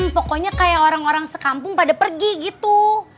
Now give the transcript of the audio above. pokoknya kayak orang orang sekampung pada pergi gitu